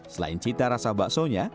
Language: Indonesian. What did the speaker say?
selain cita rasa baksonya